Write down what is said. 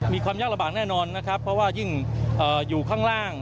มีความยากลำบากแน่นอนนะครับเพราะว่ายิ่งอยู่ข้างล่าง